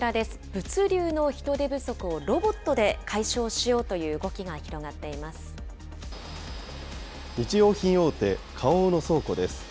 物流の人手不足をロボットで解消しようという動きが広がっていま日用品大手、花王の倉庫です。